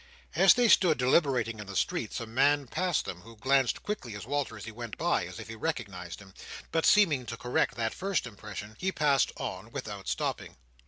As they stood deliberating in the street, a man passed them, who glanced quickly at Walter as he went by, as if he recognised him; but seeming to correct that first impression, he passed on without stopping.